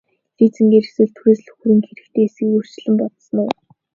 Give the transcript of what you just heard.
Лизингээр эсвэл түрээслэх хөрөнгө хэрэгтэй эсэхийг урьдчилан бодсон уу?